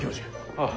ああ。